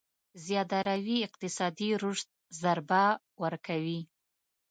زياده روي اقتصادي رشد ضربه ورکوي.